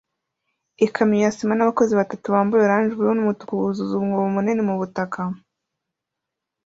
ikamyo ya sima n'abakozi batatu bambaye orange ubururu n'umutuku buzuza umwobo munini mu butaka